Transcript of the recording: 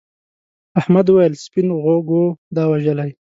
احمد وویل سپین غوږو دا وژلي.